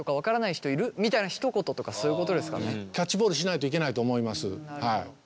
キャッチボールしないといけないと思います。